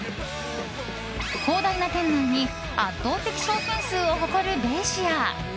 広大な店内に圧倒的商品数を誇るベイシア。